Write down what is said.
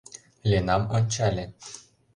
Ленам ончале.